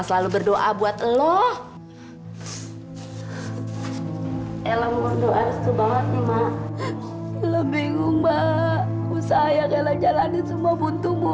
sampai jumpa di video selanjutnya